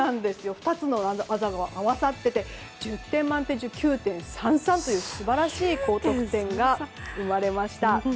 ２つの技が合わさっていて１０点満点中９．３３という素晴らしい高得点が生まれました。